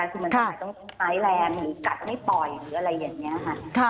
คือมันต้องไฟแรมหรือกัดไม่ปล่อยหรืออะไรอย่างนี้ค่ะ